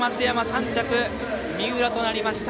３着、三浦となりました。